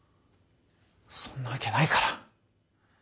そんなわけないから。